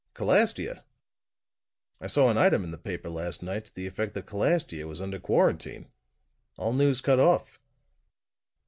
"Calastia? I saw an item in the paper last night, to the effect that Calastia was under quarantine. All news cut off."